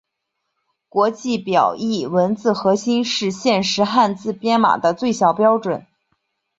国际表意文字核心是现时汉字编码的最小标准。